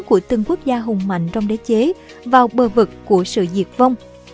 của từng quốc gia hùng mạnh trong đế chế vào bờ vực của sự diệt vong